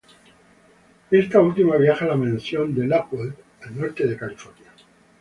Esta última viaja a la mansión de Lockwood, al norte de California.